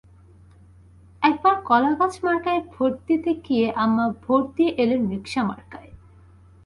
একবার কলাগাছ মার্কায় ভোট দিতে গিয়ে আম্মা ভোট দিয়ে এলেন রিকশা মার্কায়।